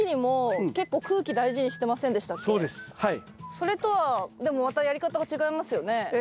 それとはでもまたやり方が違いますよね。